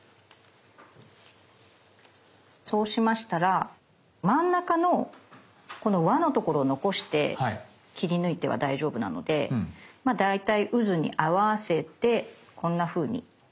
そうしましたら真ん中のこの輪のところを残して切り抜いては大丈夫なのでまあ大体うずに合わせてこんなふうに切っていきます。